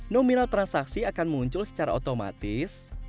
nominal transaksi akan muncul secara otomatis